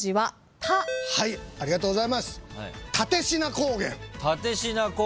ありがとうございます。